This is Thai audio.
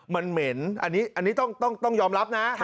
มันเหม็นอันนี้ต้องยอมรับนะ